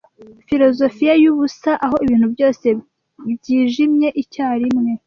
filozofiya yubusa aho ibintu byose byijimye icyarimwe